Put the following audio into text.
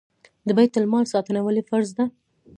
د بیت المال ساتنه ولې فرض ده؟